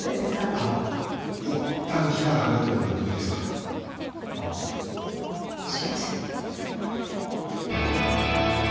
あの一旦木から離れてもらってもいいですか？すいません。